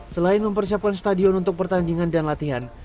selain mempersiapkan stadion untuk pertandingan dan latihan